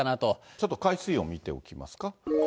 ちょっと海水温見ておきますか。